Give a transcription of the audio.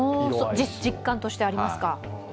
実感としてありますか。